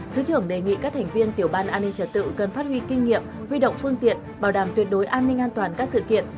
thứ trưởng đề nghị các thành viên tiểu ban an ninh trật tự cần phát huy kinh nghiệm huy động phương tiện bảo đảm tuyệt đối an ninh an toàn các sự kiện